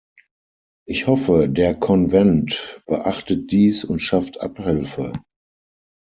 Ich hoffe, der Konvent beachtet dies und schafft Abhilfe.